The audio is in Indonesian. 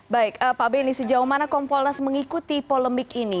baik pak benny sejauh mana kompolnas mengikuti polemik ini